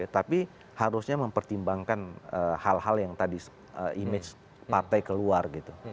tapi harusnya mempertimbangkan hal hal yang tadi image partai keluar gitu